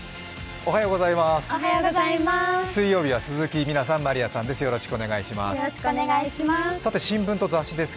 おはようございます。